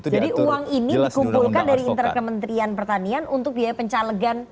jadi uang ini dikumpulkan dari interkementrian pertanian untuk biaya pencalegan